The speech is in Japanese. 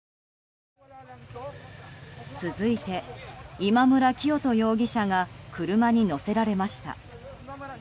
続いて、今村磨人容疑者が車に乗せられました。